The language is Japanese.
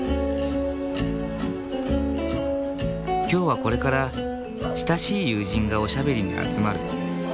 今日はこれから親しい友人がおしゃべりに集まる。